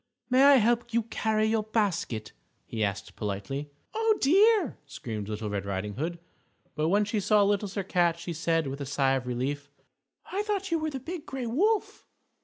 "May I help you carry your basket?" he asked politely. "Oh, dear!" screamed Little Red Riding Hood. But when she saw Little Sir Cat, she said, with a sigh of relief, "I thought you were the Big Gray Wolf!"